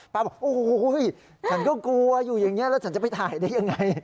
บอกโอ้โหฉันก็กลัวอยู่อย่างนี้แล้วฉันจะไปถ่ายได้ยังไง